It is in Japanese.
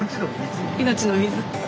命の水。